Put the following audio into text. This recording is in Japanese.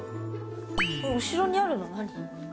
後ろにあるの何？